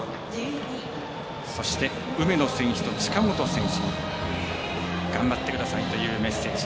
そして、梅野選手と近本選手頑張ってくださいというメッセージ。